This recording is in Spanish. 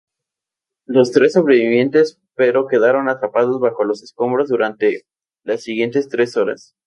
Los tres sobrevivieron pero quedaron atrapados bajo los escombros durante las siguientes tres horas.